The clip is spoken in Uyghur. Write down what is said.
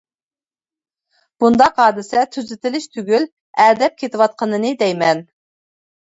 بۇنداق ھادىسە تۈزىتىلىش تۈگۈل، ئەدەپ كېتىۋاتقىنىنى دەيمەن.